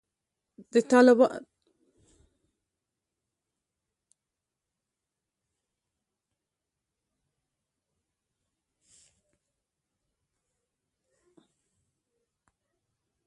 تالابونه د افغان کلتور سره تړاو لري.